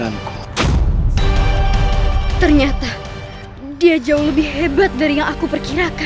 aku tak mau berturut turut menginfeksi dirimu